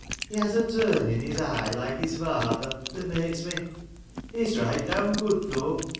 ' He has a turn in his eye like his father, that makes me . He 's right down good though.